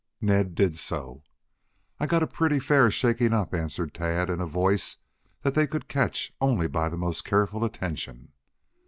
Ned did so. "I got a pretty fair shaking up," answered Tad, in a voice that they could catch only by the most careful attention.